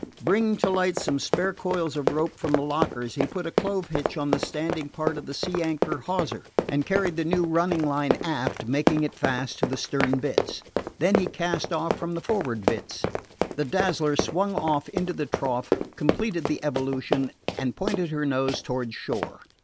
Bringing to light some spare coils of rope from the lockers, he put a clove hitch on the standing part of the sea anchor hawser, and carried the new running line aft, making it fast to the stern bitts. Then he cast off from the forward bitts. The Dazzler swung off into the trough, completed the evolution, and pointed her nose toward shore.